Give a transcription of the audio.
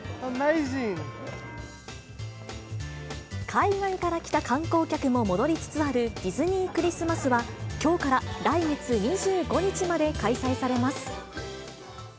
海外から来た観光客も戻りつつあるディズニー・クリスマスは、きょうから来月２５日まで開催されます。